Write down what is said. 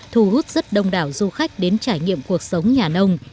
thu hút rất đông đảo du khách đến trải nghiệm cuộc sống nhà nông